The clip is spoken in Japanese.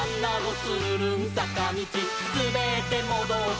つるるんさかみち」「すべってもどって」